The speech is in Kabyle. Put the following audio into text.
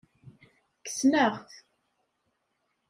Kksen-aɣ-t.